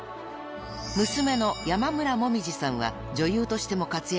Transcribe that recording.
［娘の山村紅葉さんは女優としても活躍中です］